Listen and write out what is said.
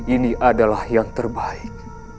ini adalah yang terbaik